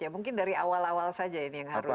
ya mungkin dari awal awal saja ini yang harus